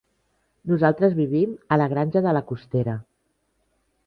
Nosaltres vivim a la Granja de la Costera.